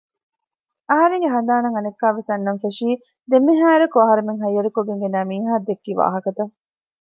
އަހަރެންގެ ހަނދާނަށް އަނެއްކާވެސް އަންނަން ފެށީ ދެންމެހާއިރަކު އަހަރެމެން ހައްޔަރުކޮށްގެން ގެނައި މީހާ ދެއްކި ވާހަކަތައް